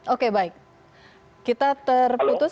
oke baik kita terputus